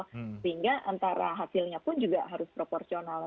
sehingga antara hasilnya pun juga harus proporsional